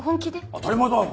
当たり前だ！